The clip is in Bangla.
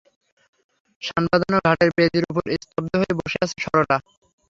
শান-বাঁধানো ঘাটের বেদির উপর স্তব্ধ হয়ে বসে আছে সরলা।